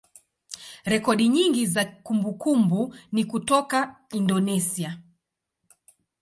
rekodi nyingi za kumbukumbu ni kutoka Indonesia.